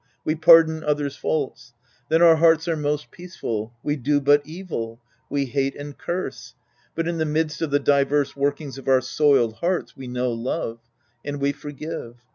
We pardon others' faults. Then our hearts are most peaceful. We do but evil. We hate and curse. But in the midst of the diverse workings of our soiled hearts, we know love. And we forgive.